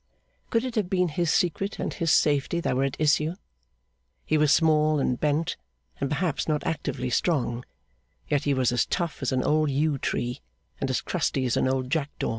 Could it have been his secret, and his safety, that were at issue? He was small and bent, and perhaps not actively strong; yet he was as tough as an old yew tree, and as crusty as an old jackdaw.